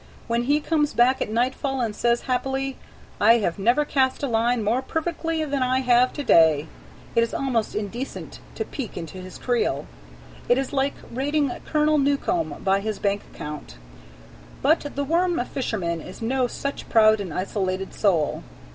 When he comes back at nightfall and says happily, "I have never cast a line more perfectly than I have to day," it is almost indecent to peek into his creel. It is like rating Colonel Newcome by his bank account. But the worm fisherman is no such proud and isolated soul.